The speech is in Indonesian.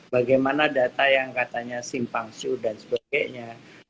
bagaimana data yang katanya simpangsu dan sebagainya